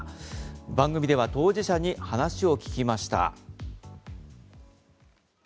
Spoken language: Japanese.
番組では当事者に話を聞きました。